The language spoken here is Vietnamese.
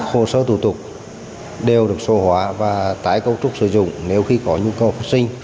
hồ sơ thủ tục đều được sổ hóa và tái công trúc sử dụng nếu khi có nhu cầu phát sinh